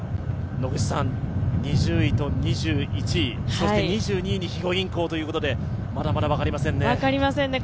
２０位と２１位、そして２２位に肥後銀行ということでまだまだ分かりませんね。